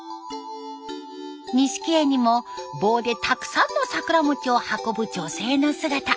錦絵にも棒でたくさんの桜餅を運ぶ女性の姿。